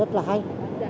rất là nghe